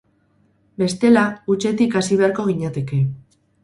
Bestela, hutsetik hasi beharko ginateke.